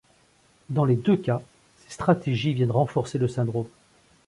Dans les deux cas, ces stratégies viennent renforcer le syndrome.